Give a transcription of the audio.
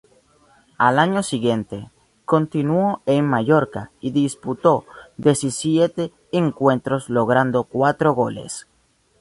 Al año siguiente, continuó en el Mallorca y disputó diecisiete encuentros logrando cuatro goles.